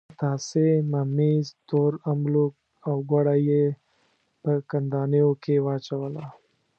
پتاسې، ممیز، تور املوک او ګوړه یې په کندانیو کې واچوله.